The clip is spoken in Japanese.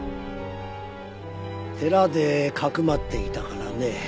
寺で匿っていたからね。